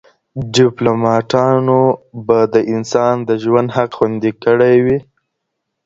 ډیپلوماټانو به د انسان د ژوند حق خوندي کړی وي.